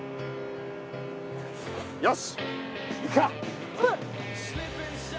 よし。